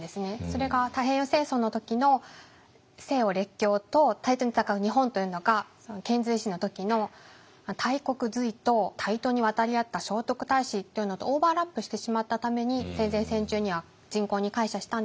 それが太平洋戦争の時の西洋列強と対等に戦う日本というのが遣隋使の時の大国隋と対等に渡り合った聖徳太子というのとオーバーラップしてしまったために戦前戦中には人口に膾炙したんですけども。